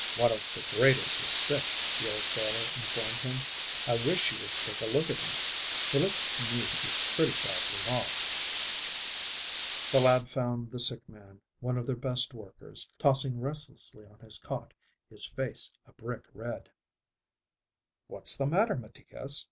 "One of the graders is sick," the old sailor informed him. "I wish you would take a look at him. He looks to me to be pretty badly off." The lad found the sick man, one of their best workers, tossing restlessly on his cot, his face a brick red. "What's the matter, Meticas?"